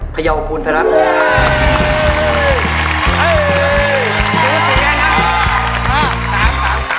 พยาบคุณภรรณ